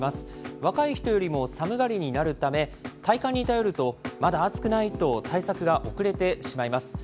若い人よりも寒がりになるため、体感に頼ると、まだ暑くないと対策が遅れてしまいます。